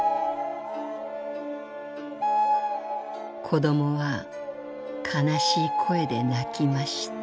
「子どもは悲しい声で鳴きました」。